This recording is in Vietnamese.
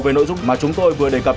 về nội dung mà chúng tôi vừa đề cập